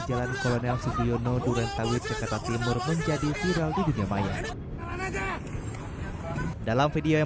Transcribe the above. jalan kolonel subiono durentawit jakarta timur menjadi viral di dunia maya dalam video yang